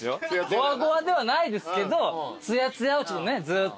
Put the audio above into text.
ゴワゴワではないですけどつやつやをちょっとねずっと。